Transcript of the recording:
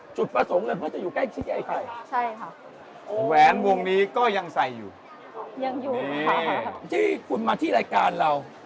จุดประสงค์เลยเพื่อจะอยู่ใกล้ชิดไอ้ไข่แหวนวงนี้ก็ยังใส่อยู่ยังอยู่ที่คุณมาที่รายการเรา